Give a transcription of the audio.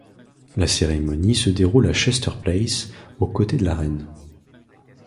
La cérémonie se déroule à Chester Place, aux côtés de la reine.